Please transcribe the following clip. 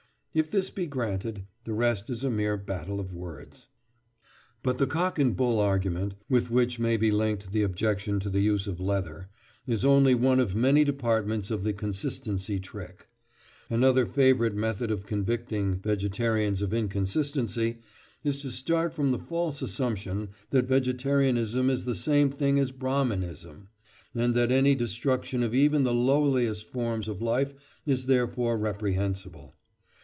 " If this be granted, the rest is a mere battle of words. Footnote 16: Fortnightly Review, November, 1895. But the cock and bull argument, with which may be linked the objection to the use of leather, is only one of many departments of the consistency trick. Another favourite method of convicting vegetarians of inconsistency is to start from the false assumption that vegetarianism is the same thing as Brahminism, and that any destruction of even the lowliest forms of life is therefore reprehensible.